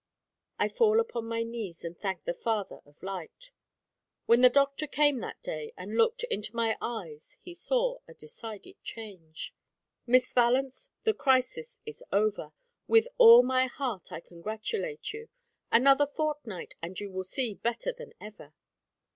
I fall upon my knees, and thank the Father of light. When the Doctor came that day, and looked into my eyes, he saw a decided change. "Miss Valence, the crisis is over. With all my heart I congratulate you. Another fortnight, and you will see better than ever."